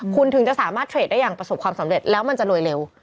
คุณถึงจะสามารถเทรดได้อย่างประสบความสำเร็จแล้วมันจะรวยเร็ว